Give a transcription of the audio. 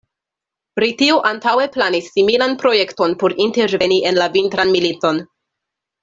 Britio antaŭe planis similan projekton por interveni en la Vintran Militon.